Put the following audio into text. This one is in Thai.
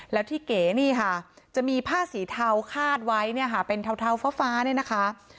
แล้วที่เก๋นี่ค่ะจะมีผ้าสีเทาคาดไว้เป็นเทาฟ้านะคะ